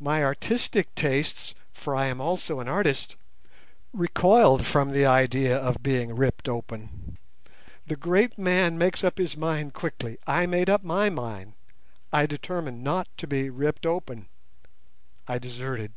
My artistic tastes—for I am also an artist—recoiled from the idea of being ripped open. The great man makes up his mind quickly. I made up my mind. I determined not to be ripped open. I deserted.